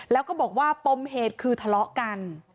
แล้วก็บอกว่าปมเหตุคือทะเลาะกัน